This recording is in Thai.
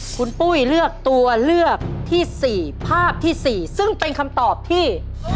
คุณปุ้ยเลือกตัวเลือกที่๔ภาพที่๔ซึ่งเป็นคำตอบที่